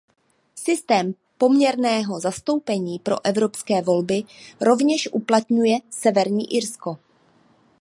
Systém poměrného zastoupení pro evropské volby rovněž uplatňuje Severní Irsko.